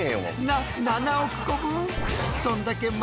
な７億個分！？